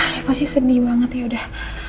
saya pasti sedih banget ya udah